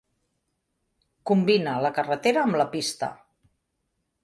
Combina la carretera amb la pista.